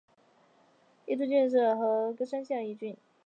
伊都郡是和歌山县的一郡。